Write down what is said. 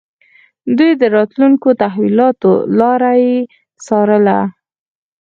دوی د راتلونکو تحولاتو لاره يې څارله.